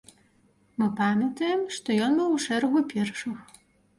Мы памятаем, што ён быў у шэрагу першых.